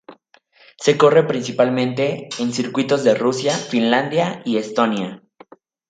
Se corre principalmente en circuitos de Rusia, Finlandia y Estonia.